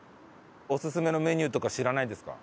オススメのメニューとか知らないですか？